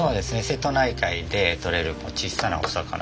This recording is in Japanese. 瀬戸内海で取れる小さなお魚ですね。